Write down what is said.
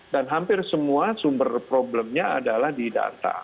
dan hampir semua sumber problemnya adalah di data